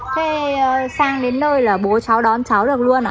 thế sang đến nơi là bố cháu đón cháu được luôn ạ